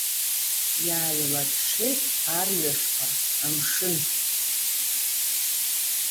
Иааилаҽҽеит арҩашқәа, амшын.